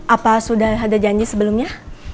apa sudah ada janji sebelumnya